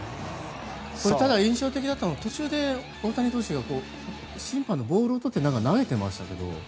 ただ、印象的だったのは途中で大谷投手が審判のボールを取って投げてましたけど。